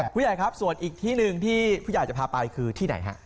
ผู้ใหญ่ครับส่วนอีกที่หนึ่งที่ผู้ใหญ่จะพาไปคือที่ไหนฮะ